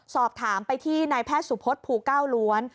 สอบถามไปที่นายแพทย์สุพศภูเก้าล้วน